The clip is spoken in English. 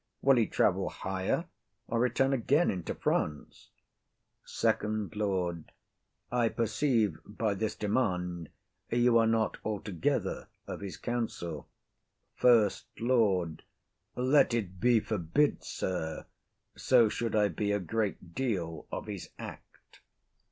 Will he travel higher, or return again into France? FIRST LORD. I perceive by this demand, you are not altogether of his council. SECOND LORD. Let it be forbid, sir! So should I be a great deal of his act.